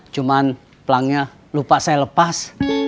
cuma pelangnya lupa saya lepas